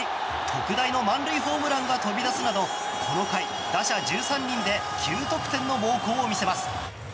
特大の満塁ホームランが飛び出すなどこの回、打者１３人で９得点の猛攻を見せます。